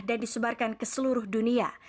dan disebarkan ke seluruh dunia